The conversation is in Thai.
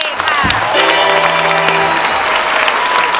หมายเลข๔ค่ะ